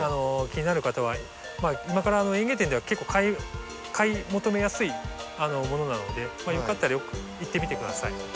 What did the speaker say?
気になる方は今から園芸店では結構買い求めやすいものなのでよかったら行ってみて下さい。